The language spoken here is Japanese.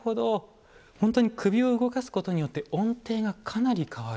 本当に首を動かすことによって音程がかなり変わる。